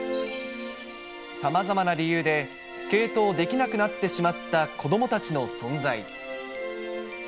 さまざまな理由で、スケートをできなくなってしまった子どもたちの存在。